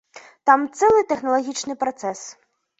Там цэлы тэхналагічны працэс.